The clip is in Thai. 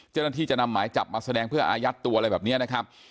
เจ้าหน้าที่จะนำหมายจับมาแสดงเพื่ออายัดตัวอะไรแบบนี้นะครับ